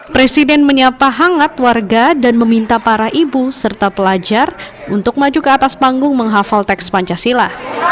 presiden menyapa hangat warga dan meminta para ibu serta pelajar untuk maju ke atas panggung menghafal teks pancasila